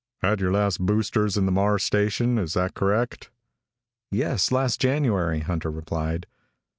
"You had your last boosters in the Mars station, is that correct?" "Yes, last January," Hunter replied.